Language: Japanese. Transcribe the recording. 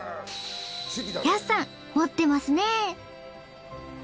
やすさん持ってますね。